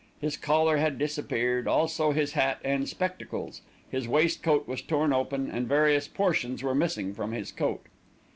His collar had disappeared, also his hat and spectacles, his waist coat was torn open, and various portions were missing from his coat.